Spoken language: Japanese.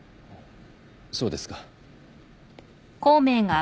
そうですか。